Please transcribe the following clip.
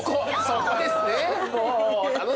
そこですね！